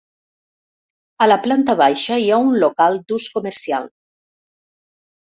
A la planta baixa hi ha un local d'ús comercial.